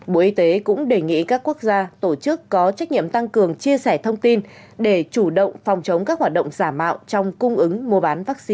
bộ y tế cũng đề nghị các quốc gia tổ chức có trách nhiệm tăng cường chia sẻ thông tin để chủ động phòng chống các hoạt động giả mạo trong cung ứng mua bán vaccine